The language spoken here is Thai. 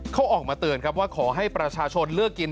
เขาออกมาเตือนครับว่าขอให้ประชาชนเลือกกิน